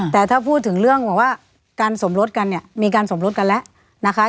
แต่ถ้าพูดถึงเรื่องบอกว่าการสมรสกันเนี่ยมีการสมรสกันแล้วนะคะ